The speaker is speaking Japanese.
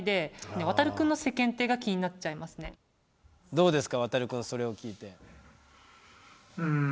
どうですかワタル君それを聞いて。